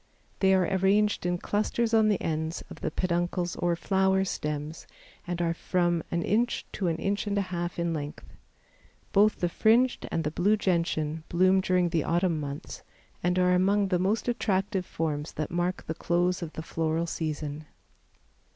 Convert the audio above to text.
They are arranged in clusters on the ends of the peduncles or flower stems and are from an inch to an inch and a half in length. Both the fringed and the blue Gentian bloom during the autumn months and are among the most attractive forms that mark the close of the floral season.